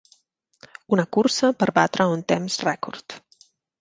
Una cursa per batre un temps rècord.